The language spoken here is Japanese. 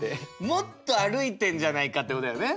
もっと歩いてんじゃないかってことだよね。